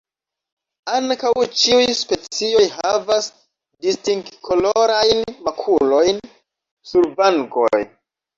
Ankaŭ ĉiuj specioj havas distingkolorajn makulojn sur vangoj.